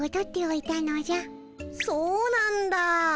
そうなんだ。